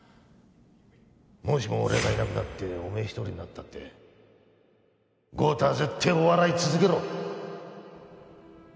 もしも俺がいなくなっておめえ一人になったって豪太は絶対お笑い続けろ！